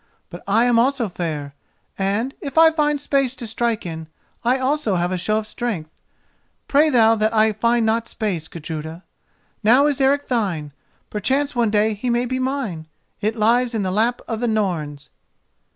But I am also fair, and, if I find space to strike in, I also have a show of strength. Pray thou that I find not space, Gudruda. Now is Eric thine. Perchance one day he may be mine. It lies in the lap of the Norns."